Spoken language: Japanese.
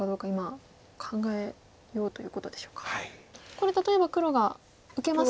これ例えば黒が受けます